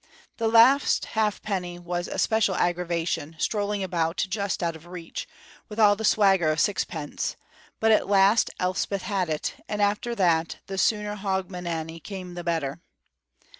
The last halfpenny was a special aggravation, strolling about, just out of reach, with all the swagger of sixpence, but at last Elspeth had it, and after that, the sooner Hogmanay came the better.